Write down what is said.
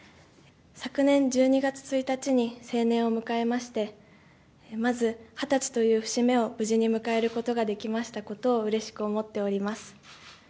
昨年１２月１日に成年を迎えまして、まず、２０歳という節目を無事に迎えることができましたことをうれしく思っております。